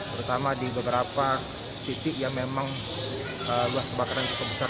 terutama di beberapa titik yang memang luas kebakaran cukup besar